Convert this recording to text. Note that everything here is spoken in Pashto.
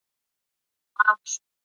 هغه اوس ګل